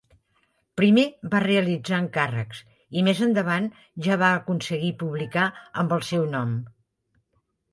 Primer va realitzar encàrrecs i més endavant ja va aconseguir publicar amb el seu nom.